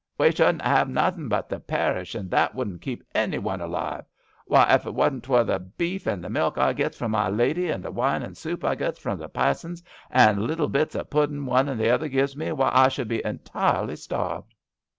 We shouldn't 'ave nothin' but the parish, and that wouldn't keep any one alive. Why, ef it 'twasn't for the beef and the milk I gits from my lady, and the wine and soup I gits from the passun's, and little bits of puddin' one and t'other gives me, why I should be entirely starved."